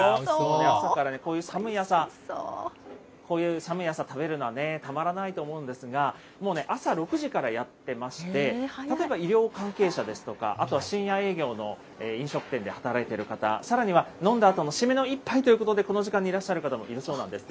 朝からね、こういう寒い朝、こういう寒い朝、食べるのね、たまらないと思うんですが、もうね、朝６時からやってまして、例えば医療関係者ですとか、あとは深夜営業の飲食店で働いている方、さらには飲んだあとの締めの一杯ということで、この時間にいらっしゃる方もいるそうなんです。